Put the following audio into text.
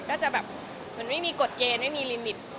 ก็จะแบบไม่มีกฎเกณฑ์ไม่มีลิมิต